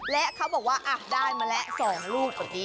และเขาบอกว่าได้มาแล้ว๒รูป